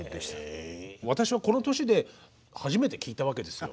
私はこの年で初めて聴いたわけですよ。